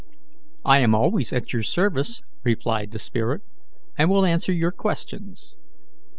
"I am always at your service," replied the spirit, "and will answer your questions.